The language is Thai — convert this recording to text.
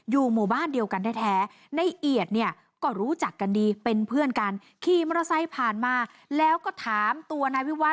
อยู่หมู่บ้านเดียวกันแท้ในเอียดเนี่ยก็รู้จักกันดีเป็นเพื่อนกันขี่มอเตอร์ไซค์ผ่านมาแล้วก็ถามตัวนายวิวัต